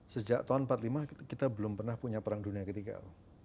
sejak tahun seribu sembilan ratus empat puluh lima kita belum pernah punya perang dunia ketiga